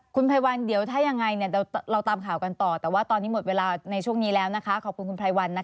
คุณไพรวันเดี๋ยวถ้ายังไงเราตามข่าวกันต่อแต่ว่าตอนนี้หมดเวลาในช่วงนี้แล้วนะคะขอบคุณคุณไพรวันนะคะ